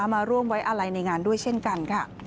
มาร่วมไว้อาลัยในงานด้วยเช่นกันค่ะ